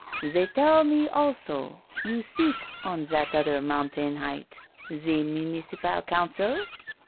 They tell me also you sit on that other mountain height, the Municipal Council?"